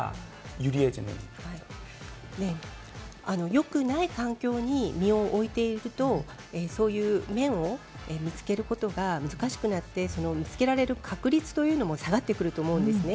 よくない環境に身を置いていくとそういう面を見つけることが難しくなって、見つけられる確率というのも下がってくると思うんですね。